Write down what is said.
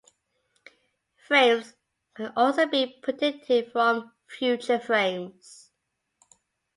Frames can also be predicted from future frames.